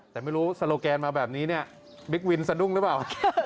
แต่ไม่รู้สโลแกนมาแบบนี้เนี่ยบิ๊กวินสะดุ้งหรือเปล่า